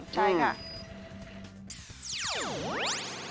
ใช่ค่ะ